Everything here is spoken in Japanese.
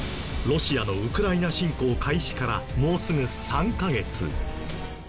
ロシアのウクライナ侵攻開始からもうすぐ３カ月。